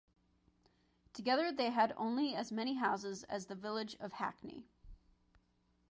Together they had only as many houses as the village of Hackney.